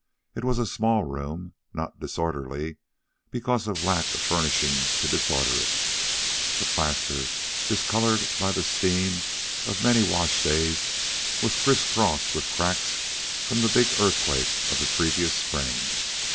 It was a small room, not disorderly, because of lack of furnishings to disorder it. The plaster, discolored by the steam of many wash days, was crisscrossed with cracks from the big earthquake of the previous spring.